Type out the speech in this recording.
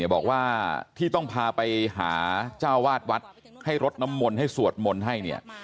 บอกว่าที่ต้องพาไปหาเจ้าวาดวัดให้รดน้ำมนต์ให้สวดมนต์ให้เนี่ย